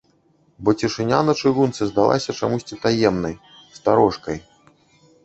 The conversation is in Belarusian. Бо цішыня на чыгунцы здалася чамусьці таемнай, старожкай.